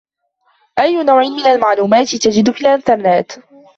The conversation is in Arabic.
أيَّ نوع من المعلومات تجد في الإنترنت ؟